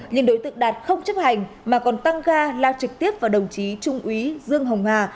nhưng đối tượng đạt không chấp hành mà còn tăng ga lao trực tiếp vào đồng chí trung úy dương hồng hà